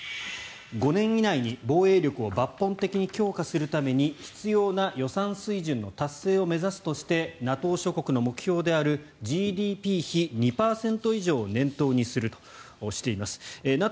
５年以内に防衛力を抜本的に強化するために必要な予算水準の達成を目指すとしてＮＡＴＯ諸国の目標であるＧＤＰ比２％以上を念頭にするとしています。